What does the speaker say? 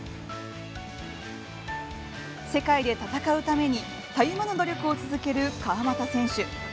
世界で戦うためにたゆまぬ努力を続ける川又選手。